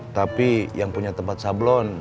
tapi yang punya tempat sablon